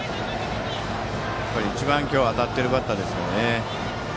今日、一番当たっているバッターですからね。